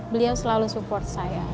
beliau selalu support saya